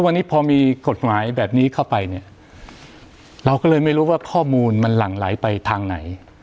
วันนี้พอมีกฎหมายแบบนี้เข้าไปเนี่ยเราก็เลยไม่รู้ว่าข้อมูลมันหลั่งไหลไปทางไหน